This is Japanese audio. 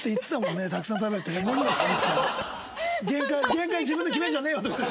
限界自分で決めんじゃねえよって感じ？